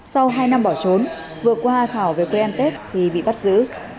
sau hai năm bỏ trốn vừa qua thảo về quê ăn tết thì bị bắt giữ